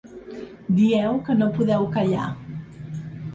Dieu que no podeu callar.